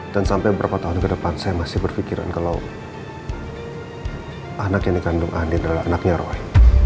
dan sampai beberapa tahun ke depan saya masih berpikiran kalau anak yang dikandung andin adalah anaknya roy